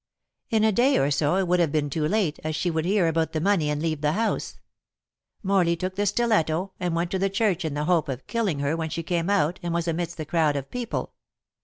In a day or so it would have been too late, as she would hear about the money and leave the house. Morley took the stiletto and went to the church in the hope of killing her when she came out and was amidst the crowd of people.